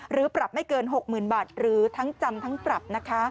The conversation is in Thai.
หรือปรับไม่เกิน๖๐๐๐บาทหรือทั้งจำทั้งปรับนะคะ